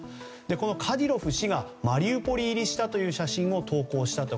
このカディロフ氏がマリウポリ入りしたという写真を投稿したと。